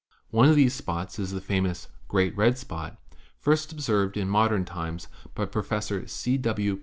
One of these spots is the famous "great red spot" first observed in modern times by Professor C. W.